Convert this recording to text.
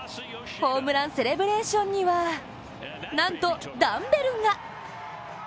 ホームランセレブレーションにはなんとダンベルが！